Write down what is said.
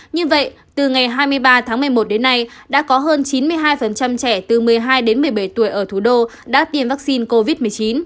như vậy từ ngày hai mươi ba tháng một mươi một đến nay đã có hơn chín mươi hai trẻ từ một mươi hai đến một mươi bảy tuổi ở thủ đô đã tiêm vaccine covid một mươi chín